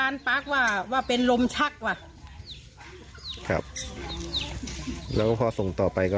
แล้วก็พอส่งต่อไปก็